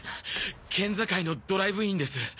県境のドライブインです。